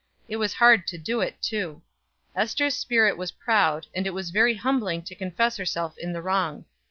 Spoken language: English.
It was hard to do it, too. Ester's spirit was proud, and it was very humbling to confess herself in the wrong.